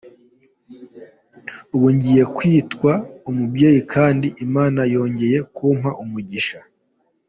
Ubu ngiye kwitwa umubyeyi kandi Imana yongeye kumpa umugisha.